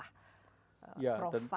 profil tenaga kerja indonesia